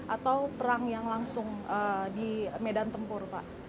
atau perang yang langsung di medan tempur pak